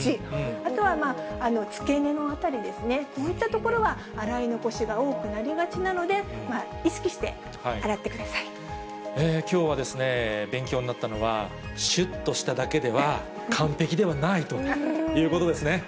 あとは付け根のあたりですね、こういったところは洗い残しが多くなりがちなので、意識して洗っきょうは勉強になったのは、しゅっとしただけでは、完璧ではないということですね。